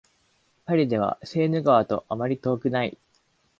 パリではセーヌ川とあまり遠くない